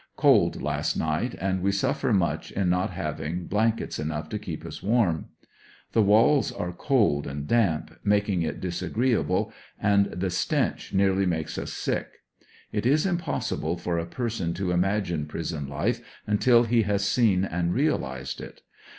Cold last night, and we suffer much in not having blan kets enough to keep us warm. The walls are cold and damp, making it disagreeable, and the stench nearly makes us sick. It is impossible for a person to imagine prson life until he has seen and realized it.